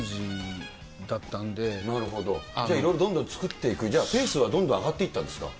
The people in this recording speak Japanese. じゃあ、どんどん作っていくペースはどんどん上がっていったんですか。